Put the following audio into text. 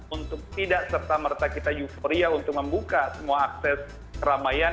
untuk tidak serta merta kita euforia untuk membuka semua akses keramaian